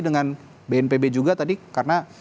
dengan bnpb juga tadi karena